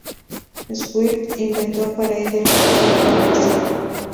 Swift inventó para ella el nombre "Vanessa".